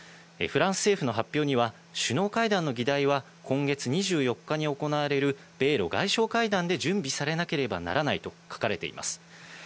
フランス政府の発表には首脳会談の議題は今月２４日に行われる米露外相会談で準備されなければならないと書かれています。